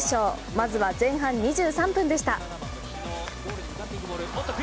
まずは前半２３分でした。